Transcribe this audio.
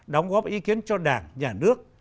đóng góp ý kiến cho đảng nhà nước